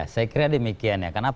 saya kira demikian